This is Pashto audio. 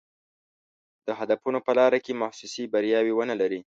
د هدفونو په لاره کې محسوسې بریاوې ونه لري.